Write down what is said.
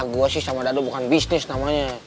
gue sih sama dado bukan bisnis namanya